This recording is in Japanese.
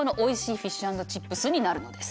フィッシュ＆チップスになるのです。